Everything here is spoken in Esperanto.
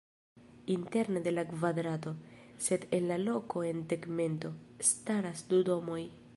Interne de la kvadrato, sed en la loko sen tegmento, staras du domoj.